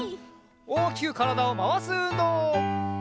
おおきくからだをまわすうんどう！